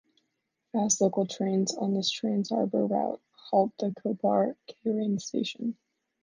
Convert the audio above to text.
Fast local trains on this trans-harbour route halt at Kopar Khairane station.